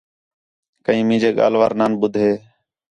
کئیں مینجے ڳالھ وار نان ٻدھے